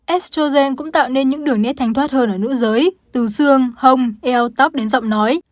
estrogen cũng tạo nên những đường nét thanh thoát hơn ở nữ giới từ xương hông eo tóc đến giọng nói